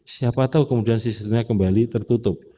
siapa tahu kemudian sistemnya kembali tertutup